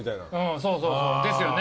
そうそうそうですよね？